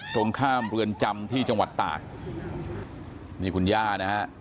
ตรงข้ามเรือนจำที่จังหวัดตากนี่คุณย่านะฮะ